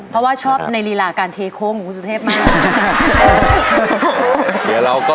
เพราะว่าชอบในรีลาการเทโค้งของคุณสุเทพมาก